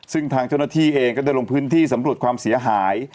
ซึ่งทางเจ้าหน้าที่เองก็ได้ลงพื้นที่สำรวจความเสียหาย